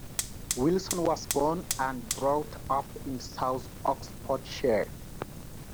Wilson was born and brought up in south Oxfordshire.